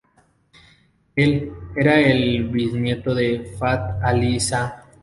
Él era el bisnieto de Fath Alí Sah.